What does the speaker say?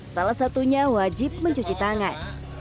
salah satunya wajib mencuci tangan